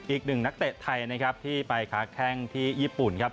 อีกหนึ่งนักเตะไทยที่ไปค้าแค้งที่ญี่ปุ่น